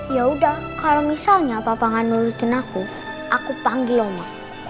yaudah kalau misalnya papa gak nurutin aku aku panggil oma